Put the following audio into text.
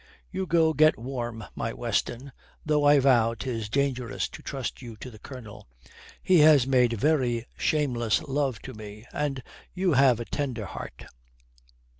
You go get warm, my Weston. Though I vow 'tis dangerous to trust you to the Colonel. He has made very shameless love to me, and you have a tender heart."